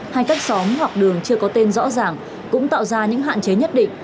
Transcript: hay các xóm hoặc đường chưa có tên rõ ràng cũng tạo ra những hạn chế nhất định